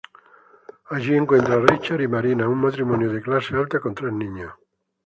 Allí, encuentra a Richard y Marina, un matrimonio de clase alta con tres niños.